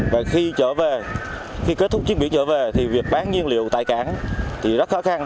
và khi trở về khi kết thúc chuyến biển trở về thì việc bán nhiên liệu tại cảng thì rất khó khăn